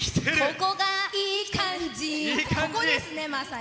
ここですね、まさに。